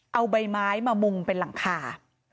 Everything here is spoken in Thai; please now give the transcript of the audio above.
เอาใบไม้มามุงเป็นหลังคา